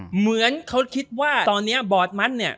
เหมือนเขาคิดว่าตอนนี้บอร์ดมันเนี่ย